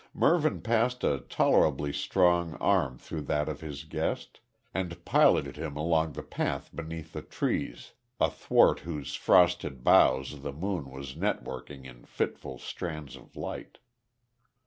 Mervyn passed a tolerably strong arm through that of his guest, and piloted him along the path beneath the trees, athwart whose frosted boughs the moon was networking in fitful strands of light.